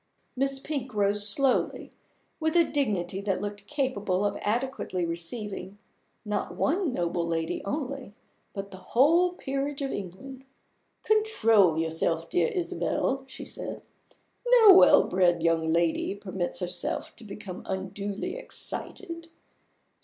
Miss Pink rose slowly, with a dignity that looked capable of adequately receiving not one noble lady only, but the whole peerage of England. "Control yourself, dear Isabel," she said. "No well bred young lady permits herself to become unduly excited.